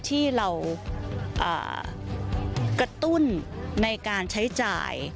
ที่เรากระตุ้นในการใช้จ่าย